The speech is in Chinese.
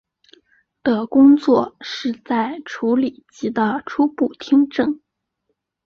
的工作是在处理及的初步听证。